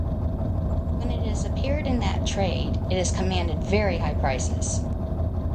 When it has appeared in that trade it has commanded very high prices.